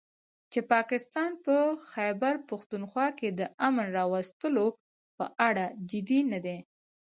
چې پاکستان په خيبرپښتونخوا کې د امن راوستلو په اړه جدي نه دی